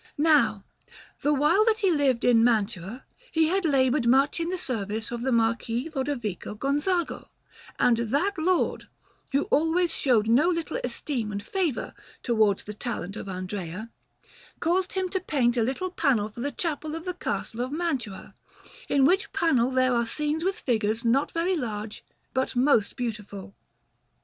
Now, the while that he lived in Mantua, he had laboured much in the service of the Marquis Lodovico Gonzaga, and that lord, who always showed no little esteem and favour towards the talent of Andrea, caused him to paint a little panel for the Chapel of the Castle of Mantua; in which panel there are scenes with figures not very large but most beautiful.